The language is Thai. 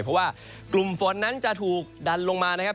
เพราะว่ากลุ่มฝนนั้นจะถูกดันลงมานะครับ